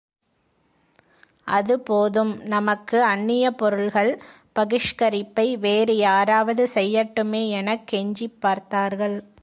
அது போதும் நமக்கு அந்நிய பொருட்கள் பகிஷ்கரிப்பை வேறு யாராவது செய்யட்டுமே எனக் கெஞ்சிப் பார்த்தார்கள்!